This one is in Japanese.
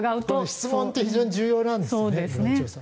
質問って非常に重要なんですね、世論調査。